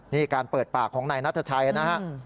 นี่การเปิดปากของนายนัทชัยนะฮะ